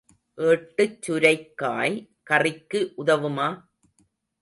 ஏட்டுச் சுரைக்காய் கறிக்கு உதவுமா?